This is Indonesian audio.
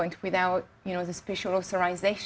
mengingatnya karena dia pergi ke otoritas